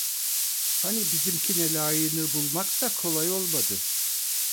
Hani bizimkine layığını bulmak da kolay olmadı.